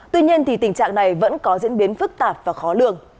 tuy nhiên tình trạng này vẫn có diễn biến phức tạp và khó lường